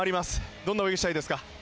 どんな泳ぎをしたいですか？